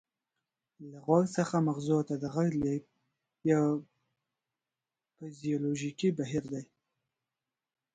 له غوږ څخه مغزو ته د غږ لیږد یو فزیولوژیکي بهیر دی